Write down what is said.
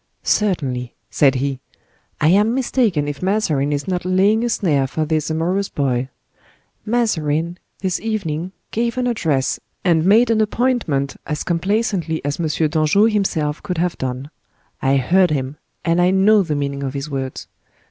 "Certainly!" said he, "I am mistaken if Mazarin is not laying a snare for this amorous boy. Mazarin, this evening, gave an address, and made an appointment as complacently as M. Daangeau himself could have done—I heard him, and I know the meaning of his words.